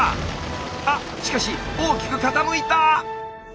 あっしかし大きく傾いた！